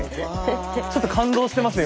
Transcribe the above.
ちょっと感動してます